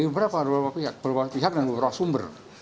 beberapa pihak dan beberapa sumber